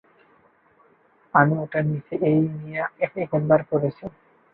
আমি ওটার নিচে এই নিয়ে একাধিকবার পড়েছি।